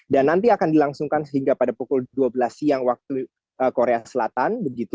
dan nanti akan dilangsungkan sehingga pada pukul dua belas siang waktu korea selatan